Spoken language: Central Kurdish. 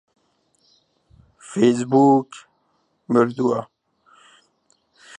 فەیسبووک مردووە.